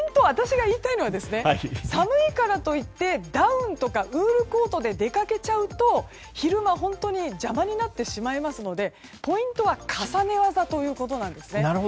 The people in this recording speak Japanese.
私が言いたいのは寒いからといってダウンとかウールコートで出かけちゃうと昼間、本当に邪魔になってしまいますのでポイントは重ね技ということなんですね。